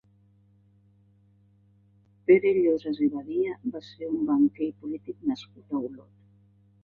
Pere Llosas i Badia va ser un banquer i polític nascut a Olot.